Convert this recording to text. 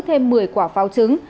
thêm một mươi quả pháo trứng